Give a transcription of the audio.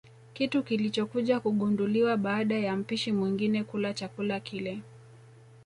Kitu kilichokuja kugunduliwa baada ya mpishi mwingine kula chakula kile